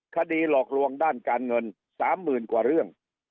หลอกลวงด้านการเงิน๓๐๐๐กว่าเรื่อง